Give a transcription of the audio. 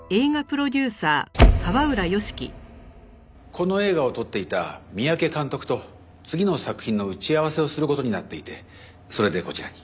この映画を撮っていた三宅監督と次の作品の打ち合わせをする事になっていてそれでこちらに。